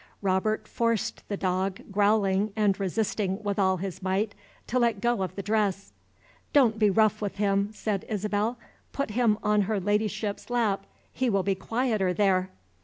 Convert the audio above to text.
Robert forced the dog, growling and resisting with all his might, to let go of the dress. "Don't be rough with him," said Isabel. "Put him on her ladyship's lap; he will be quieter there."